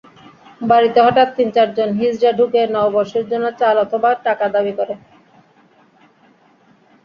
বাড়িতে হঠাৎ তিন-চারজন হিজড়া ঢুকে নববর্ষের জন্য চাল অথবা টাকা দাবি করে।